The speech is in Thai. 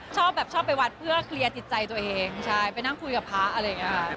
ชอบไปวัดเพื่อเคลียร์จิตใจตัวเองไปนั่งคุยกับพระอะไรอย่างนี้